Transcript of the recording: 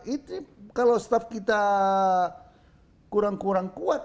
itu kalau staff kita kurang kurang kuat